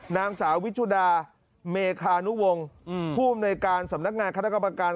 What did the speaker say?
นางสาวิชุดาเมคานุวงศ์ภูมิในการสำนักงานคาดกรรมการ